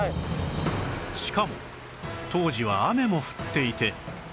しかも当時は雨も降っていて